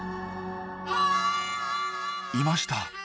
いました。